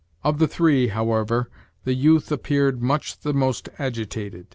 Of the three, however, the youth appeared much the most agitated.